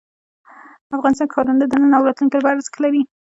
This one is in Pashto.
افغانستان کې ښارونه د نن او راتلونکي لپاره ارزښت لري.